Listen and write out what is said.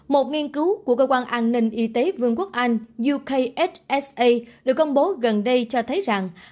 một nghiên cứu của cơ quan an ninh y tế vương quốc anh yuksa được công bố gần đây cho thấy rằng